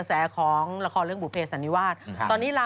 อะหรอครับบริฐานมันมา